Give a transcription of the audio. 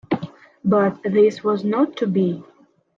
But this was not to be.